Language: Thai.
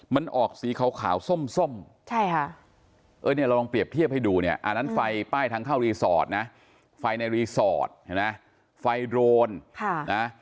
มันออกสีขาวส้มเราลองเปรียบเทียบให้ดูเนี่ยอันนั้นไฟป้ายทางเข้ารีสอร์ทนะไฟในรีสอร์ทไฟโดรน